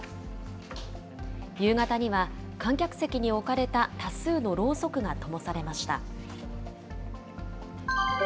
夕方には観客席に置かれた多数のろうそくがともされました。